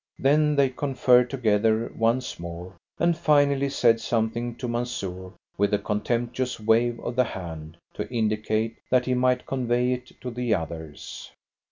Then they conferred together once more, and finally said something to Mansoor, with a contemptuous wave of the hand to indicate that he might convey it to the others.